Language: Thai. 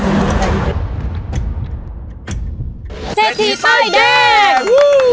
เศรษฐีต้อยเด้ง